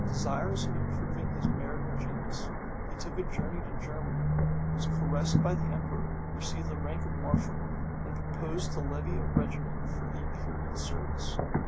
Desirous of improving his martial genius, he took a journey to Germany, was caressed by the emperor, received the rank of mareschal, and proposed to levy a regiment for the imperial service.